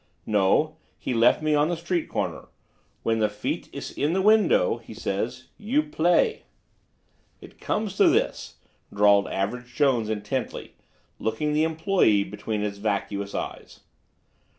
"No; he left me on the street corner. 'When the feet iss in the window,' he says, 'you play.'" "It comes to this," drawled Average Jones intently, looking the employee between his vacuous eyes.